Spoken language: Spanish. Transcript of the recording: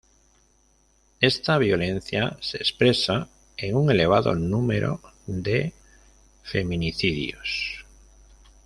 Esta violencia se expresa en un elevado número de feminicidios.